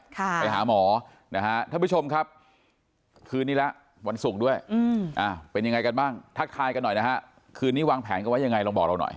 ไปหาหมอนะฮะท่านผู้ชมครับคืนนี้แล้ววันศุกร์ด้วยเป็นยังไงกันบ้างทักทายกันหน่อยนะฮะคืนนี้วางแผนกันไว้ยังไงลองบอกเราหน่อย